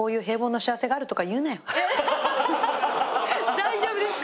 大丈夫ですか？